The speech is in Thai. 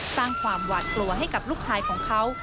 สร้างความหวาดกลัวให้กับลูกชายของเขา